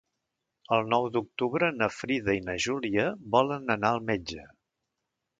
El nou d'octubre na Frida i na Júlia volen anar al metge.